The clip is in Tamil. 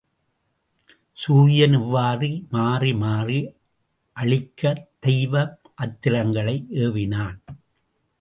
சூரியன் இவ்வாறு மாறி மாறி அழிக்கத் தெய்வ அத்திரங்களை ஏவினான்.